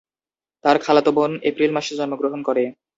তার খালাতো বোন এপ্রিল মাসে জন্মগ্রহণ করে।